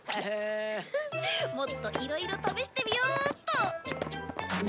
フフッもっといろいろ試してみようっと。